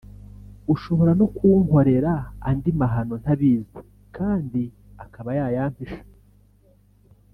ushobora no kunkorera andi mahano ntabizi kandi akaba yayampisha